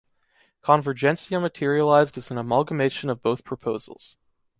Convergència materialized as an amalgamation of both proposals.